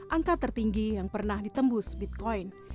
angka tertinggi yang pernah ditembus bitcoin